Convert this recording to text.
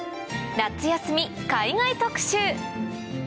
夏休み海外特集